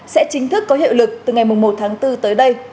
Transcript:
sẽ chính thức có hiệu lực từ ngày một tháng bốn tới đây